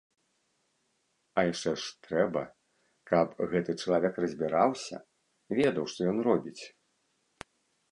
А яшчэ ж трэба, каб гэты чалавек разбіраўся, ведаў, што ён робіць.